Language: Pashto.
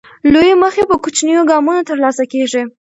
لویې موخې په کوچنیو ګامونو ترلاسه کېږي.